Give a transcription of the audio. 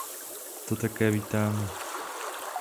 To také vítáme.